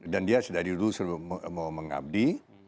dan dia dari dulu mau mengabdi